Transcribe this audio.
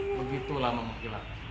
begitulah memukul aku